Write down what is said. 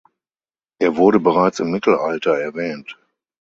Er wurde bereits im Mittelalter erwähnt.